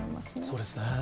そうですね。